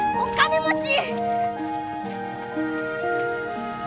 お金持ち！